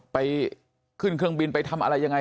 ไปขึ้นเครื่องบินไปทำอะไรยังไง